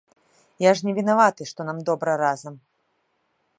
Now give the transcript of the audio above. Я ж не вінаваты, што нам добра разам.